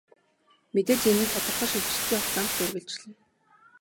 Мэдээж энэ нь тодорхой шилжилтийн хугацаанд л үргэлжилнэ.